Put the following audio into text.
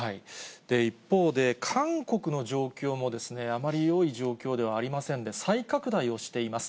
一方で、韓国の状況もあまりよい状況ではありませんで、再拡大をしています。